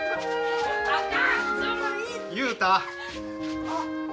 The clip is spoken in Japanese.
雄太。